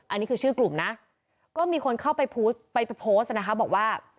อันนี้คือชื่อกลุ่มนะก็มีคนเข้าไปโพสต์ไปโพสต์นะคะบอกว่า